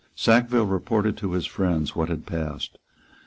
Sackville reported to his friends what had passed.